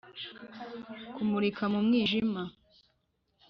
kumurika mu mwijima.